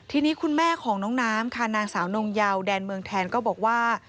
ทีนี้คุณแม่ของน้องน้ำค่ะนางสาวนงเยาแดนเมืองแทนก็บอกว่า